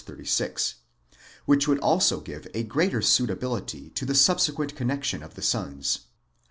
36), which would also give a greater suitability to the subsequent connexion of the sons.